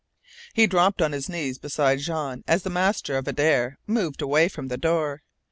He dropped on his knees beside Jean as the master of Adare moved away from the door.